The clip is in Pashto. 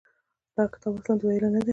دغه کتاب اصلاً د ویلو نه دی.